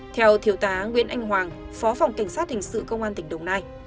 theo thiếu tá nguyễn anh hoàng phó phòng cảnh sát hình sự công an tỉnh đồng nai